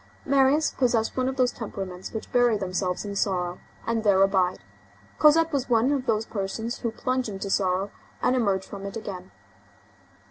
Marius possessed one of those temperaments which bury themselves in sorrow and there abide; Cosette was one of those persons who plunge into sorrow and emerge from it again.